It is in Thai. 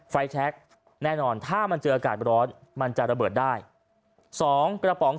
แชคแน่นอนถ้ามันเจออากาศร้อนมันจะระเบิดได้สองกระป๋อง